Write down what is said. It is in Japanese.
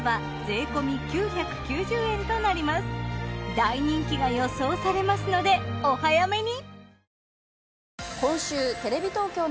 大人気が予想されますのでお早めに！